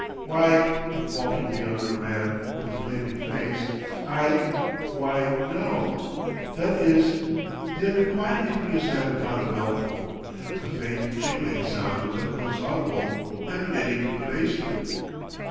"Why " faltered the younger man, with a flaming face. "I why, no that is " The other quietly put his hand upon a bell pull. A faint jingling sound was at once audible, emanating from the basement.